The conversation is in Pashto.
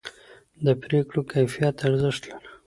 د پرېکړو کیفیت ارزښت لري